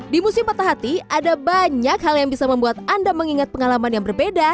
di musim patah hati ada banyak hal yang bisa membuat anda mengingat pengalaman yang berbeda